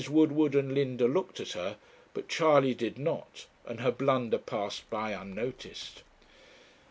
Woodward and Linda looked at her, but Charley did not, and her blunder passed by unnoticed.